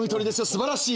すばらしい。